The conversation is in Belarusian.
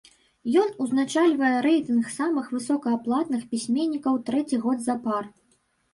Ён узначальвае рэйтынг самых высокааплатных пісьменнікаў трэці год запар.